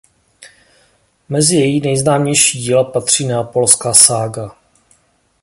Mezi její nejznámější díla patří "Neapolská sága".